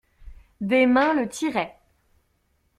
Des mains le tiraient.